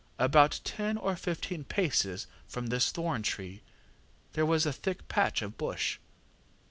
About ten or fifteen paces from this thorn tree there was a thick patch of bush.